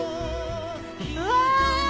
うわ！